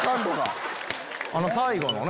最後のね。